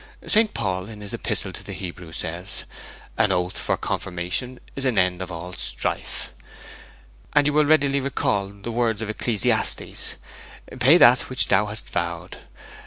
St. Paul, in his Epistle to the Hebrews, says, "An oath for confirmation is an end of all strife." And you will readily recall the words of Ecclesiastes, "Pay that which thou hast vowed.